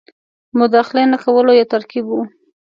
مداخلې نه کولو یو ترکیب وو.